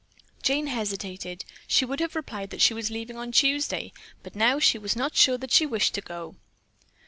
Jane hesitated. She should have replied that she was leaving on Tuesday, but now she was not sure that she wished to go.